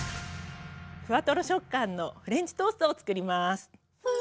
ふわとろ食感のフレンチトーストをつくります。